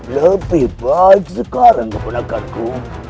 lebih baik sekarang kau gunakan ku